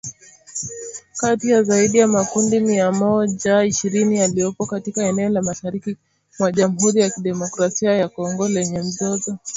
Kati ya zaidi ya makundi mia moja ishirini yaliyopo katika eneo la mashariki mwa Jamhuri ya kidemokrasia ya Kongo lenye mzozo.